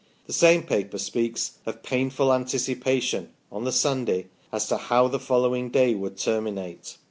The same paper speaks of " painful anticipation " on the Sunday as to " how the following day would terminate